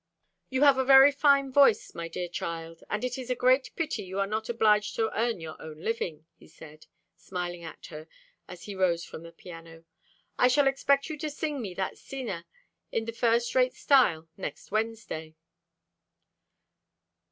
"You have a very fine voice, my dear child, and it is a great pity you are not obliged to earn your own living," he said, smiling at her, as he rose from the piano. "I shall expect you to sing me that scena in first rate style next Wednesday."